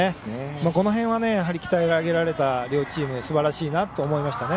この辺は鍛え上げられた両チームすばらしいなと思いましたね。